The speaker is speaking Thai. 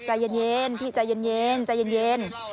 ใจเย็นพี่ใจเย็น